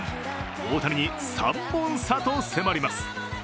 大谷に３本差と迫ります。